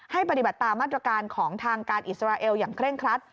ปฏิบัติตามมาตรการของทางการอิสราเอลอย่างเคร่งครัด